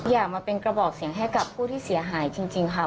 อยากมาเป็นกระบอกเสียงให้กับผู้ที่เสียหายจริงค่ะ